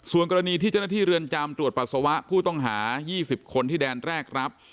ส่วนกรณีที่เจ้าหน้าที่เรือนจำตรวจปัสสาวะผู้ต้องหา๒๐คนที่แดนแรกรับ